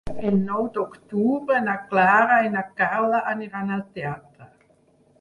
El nou d'octubre na Clara i na Carla aniran al teatre.